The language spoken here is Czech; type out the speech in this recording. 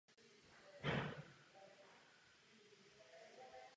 Televize tak získala nového investora.